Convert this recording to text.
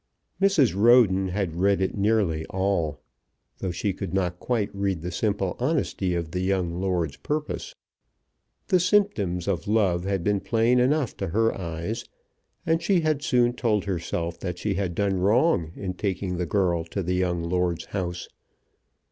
Mrs. Roden had read it nearly all, though she could not quite read the simple honesty of the young lord's purpose. The symptoms of love had been plain enough to her eyes, and she had soon told herself that she had done wrong in taking the girl to the young lord's house.